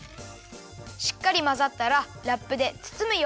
しっかりまざったらラップでつつむよ。